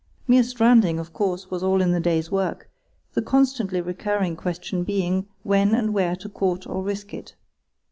Mere stranding, of course, was all in the day's work; the constantly recurring question being when and where to court or risk it.